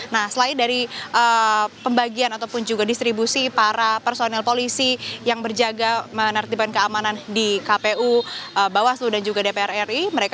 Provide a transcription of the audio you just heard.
nah selain dari pembagian ataupun juga distribusi para personel polisi yang berjaga menertiban keamanan di kpu bawaslu dan juga dpr ri